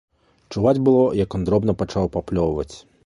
Чуваць было, як ён дробна пачаў паплёўваць.